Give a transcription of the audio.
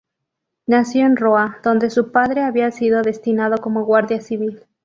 Nació en Roa, donde su padre había sido destinado como guardia civil.